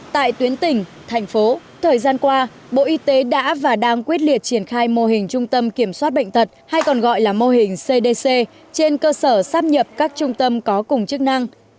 trung tâm y tế đã và đang quyết liệt triển khai mô hình trung tâm kiểm soát bệnh tật hay còn gọi là mô hình cdc trên cơ sở sắp nhập các trung tâm có cùng chức năng